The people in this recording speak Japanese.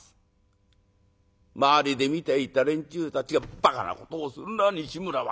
周りで見ていた連中たちが「ばかなことをするな西村は。